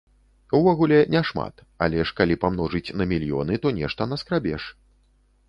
Увогуле, не шмат, але ж калі памножыць на мільёны, то нешта наскрабеш.